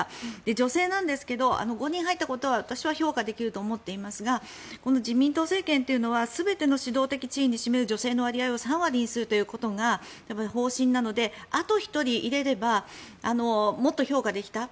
女性なんですが５人入ったことは私は評価できると思っていますが自民党政権というのは全ての指導的地位に占める女性の割合を３割にするということが方針なのであと１人入れればもっと評価できた。